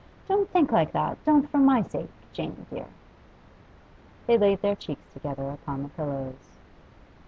Don't think like that, don't for my sake, Janey dear!' They laid their cheeks together upon the pillows.